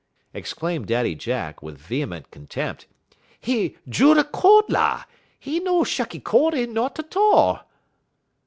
exclaimed Daddy Jack, with vehement contempt, "'e jutta cord la! 'E no 'shucky cordy' no'n 't all."